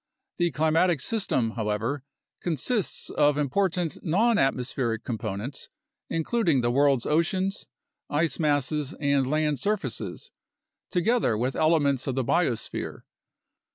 The climatic system, how ever, consists of important nonatmospheric components, including the world's oceans, ice masses, and land surfaces, together with elements of the biosphere.